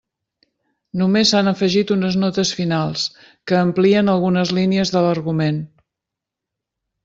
Només s'han afegit unes notes finals, que amplien algunes línies de l'argument.